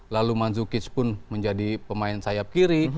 lalu marzukij pun menjadi pemain sayap kiri